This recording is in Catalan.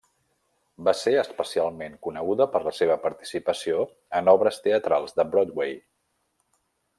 Va ser especialment coneguda per la seva participació en obres teatrals de Broadway.